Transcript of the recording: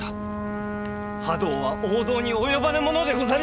覇道は王道に及ばぬものでござりまする！